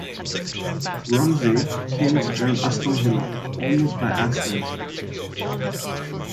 Ramsay came to join Aston Villa almost by accident.